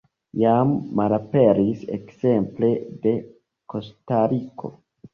Jam malaperis ekzemple de Kostariko.